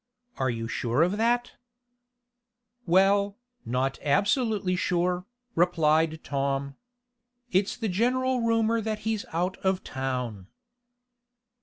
"Are you sure of that?" "Well, not absolutely sure," replied Tom. "It's the general rumor that he's out of town."